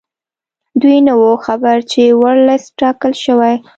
دوی نه وو خبر چې ورلسټ ټاکل شوی.